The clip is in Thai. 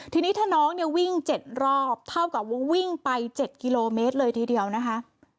ทีนี้ถ้าน้องเนี่ยวิ่ง๗รอบเท่ากับว่าวิ่งไป๗กิโลเมตรเลยทีเดียวนะคะ